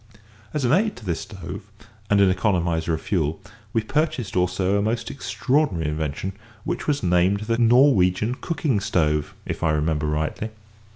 As an aid to this stove, and an economiser of fuel, we purchased also a most extraordinary invention, which was named the "Norwegian cooking stove" if I remember rightly.